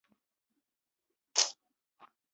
他是一个坚定的右派和欧洲怀疑论者。